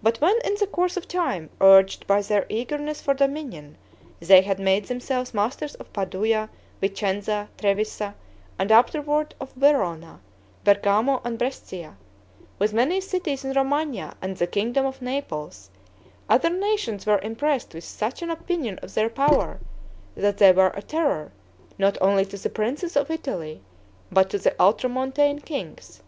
But when, in the course of time, urged by their eagerness for dominion, they had made themselves masters of Padua, Vicenza, Trevisa, and afterward of Verona, Bergamo, and Brescia, with many cities in Romagna and the kingdom of Naples, other nations were impressed with such an opinion of their power, that they were a terror, not only to the princes of Italy, but to the ultramontane kings.